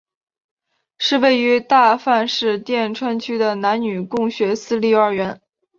是位于大阪市淀川区的男女共学私立幼儿园。